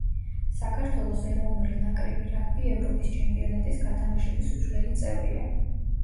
საქართველოს ეროვნული ნაკრები რაგბი ევროპის ჩემპიონატის გათამაშების უცვლელი წევრია.